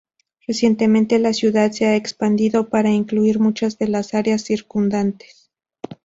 Recientemente, la ciudad se ha expandido para incluir muchas de las áreas circundantes.